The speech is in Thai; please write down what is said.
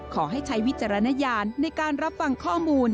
ขอให้ใช้วิจารณญาณในการรับฟังข้อมูล